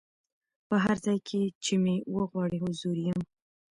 په هر ځای کي چي مي وغواړی حضور یم